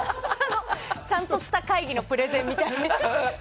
ちゃんとした会議のプレゼンみたいに。